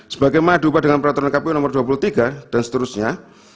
sebagai mengadu upah dengan peraturan kpu no dua puluh tiga dan seterusnya